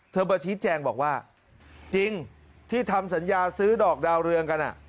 มาชี้แจงบอกว่าจริงที่ทำสัญญาซื้อดอกดาวเรืองกัน